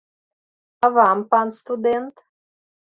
А вам, пан студэнт?